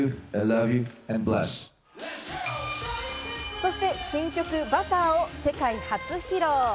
そして新曲『Ｂｕｔｔｅｒ』を世界初披露！